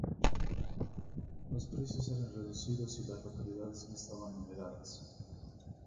Los precios eran reducidos y las localidades no estaban numeradas.